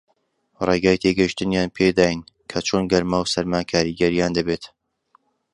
ڕێگای تێگەیشتنیان پێ داین کە چۆن گەرما و سارما کاریگەرییان دەبێت